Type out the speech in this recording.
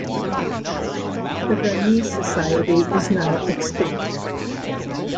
The Remey Society is now extinct.